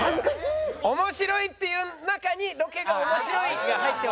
「面白い」っていう中にロケが面白いが入っております。